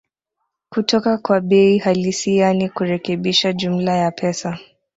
kutoka kwa bei halisi yaani kurekebisha jumla ya pesa